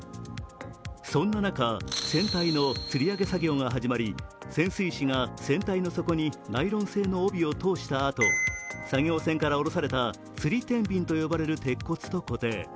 そんな中、船体のつり上げ作業が始まり、潜水士が船体の底にナイロン製の帯を通したあと作業船から下ろされた、つり天秤と言われる鉄骨と固定。